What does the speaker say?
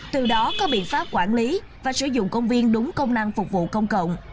từ đó có biện pháp quản lý và sử dụng công viên đúng công năng phục vụ công cộng